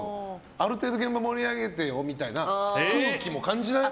ある程度、現場を盛り上げてよみたいな空気も感じない？